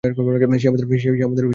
সে আমাদের কাছে এসেছিল।